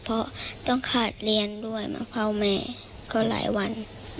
เพราะต้องขาดเรียนด้วยมาเฝ้าแม่ก็หลายวัน